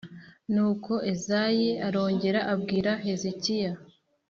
Nuko Izayi arongera abwira Hezekiya